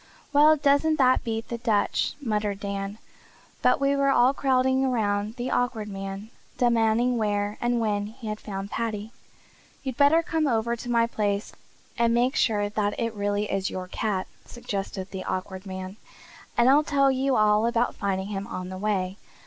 "Well, doesn't that beat the Dutch!" muttered Dan. But we were all crowding about the Awkward Man, demanding where and when he had found Paddy. "You'd better come over to my place and make sure that it really is your cat," suggested the Awkward Man, "and I'll tell you all about finding him on the way.